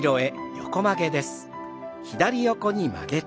横曲げ。